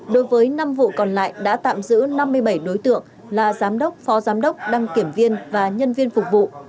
đối với năm vụ còn lại đã tạm giữ năm mươi bảy đối tượng là giám đốc phó giám đốc đăng kiểm viên và nhân viên phục vụ